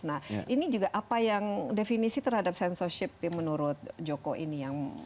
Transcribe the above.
nah ini juga apa yang definisi terhadap censorship menurut joko ini